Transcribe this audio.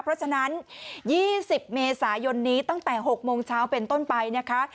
เพราะฉะนั้น๒๐เมษายนนี้ตั้งแต่๖โมงเช้าเป็นต้นไปนะคะ